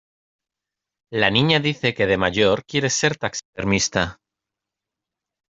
La niña dice que de mayor quiere ser taxidermista.